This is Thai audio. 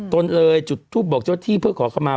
ตนเลยจุดทูปบอกเจ้าที่เพื่อขอเข้ามา